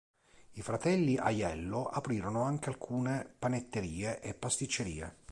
I fratelli Aiello aprirono anche alcune panetterie e pasticcerie.